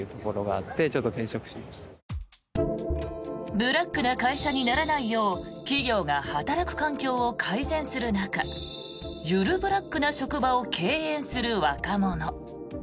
ブラックな会社にならないよう企業が働く環境を改善する中ゆるブラックな職場を敬遠する若者。